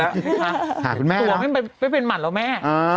ค่ะคุณแม่นะตัวไม่เป็นหมัดเหรอแม่